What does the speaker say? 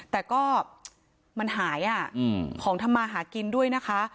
แต่ก็มันหายของทำมาหากินด้วยนะคะ